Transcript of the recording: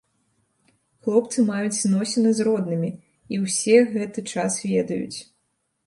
Хлопцы маюць зносіны з роднымі, і ўсе гэты час ведаюць.